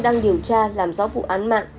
đang điều tra làm rõ vụ án mạng